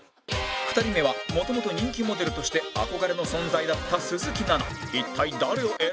２人目はもともと人気モデルとして憧れの存在だった鈴木奈々